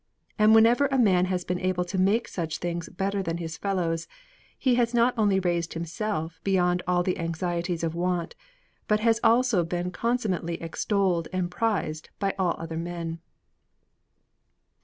And whenever a man has been able to make such things better than his fellows, he has not only raised himself beyond all the anxieties of want, but has also been consummately extolled and prized by all other men.